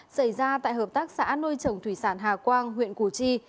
xảy ra tại hợp tác xã nuôi trồng thủy sản hà quang huyện củ chi